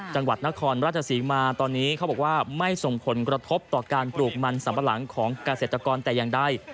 จังหวัดนครราชศรีมาตอนนี้เขาบอกว่าไม่ส่งผลกระทบต่อการปลูกมันสัมปะหลังของเกษตรกรแต่อย่างใด